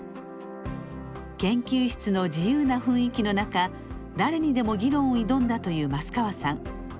研究室の自由な雰囲気の中誰にでも議論を挑んだという益川さん。